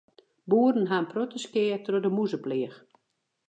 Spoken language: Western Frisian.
Boeren ha in protte skea troch de mûzepleach.